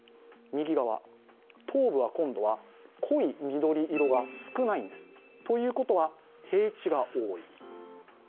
右側、東部は濃い緑色が少ないんです。ということは平地が多い。